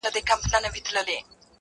ما به شپېلۍ ږغول-